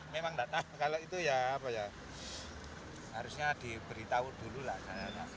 memang gak tahu kalau itu ya harusnya diberitahu dulu lah